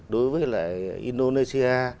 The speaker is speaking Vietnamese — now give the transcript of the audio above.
đối với lại indonesia